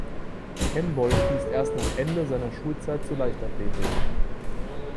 Kemboi stieß erst nach Ende seiner Schulzeit zur Leichtathletik.